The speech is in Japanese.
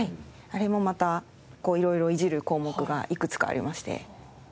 あれもまた色々いじる項目がいくつかありまして。